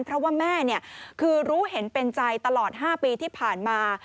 เพราะว่าแม่คือรู้เห็นเป็นใจตลอด๕ปีที่ผ่านมา